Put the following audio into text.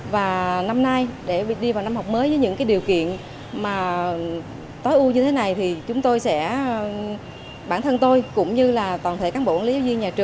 và năm nay để đi vào năm học mới với những điều kiện tối ưu như thế này